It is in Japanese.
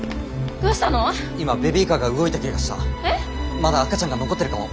まだ赤ちゃんが残ってるかも。